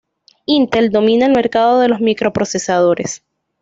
Intel domina el mercado de los microprocesadores.